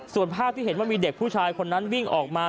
ส่วนภาพที่เห็นว่ามีเด็กผู้ชายคนนั้นวิ่งออกมา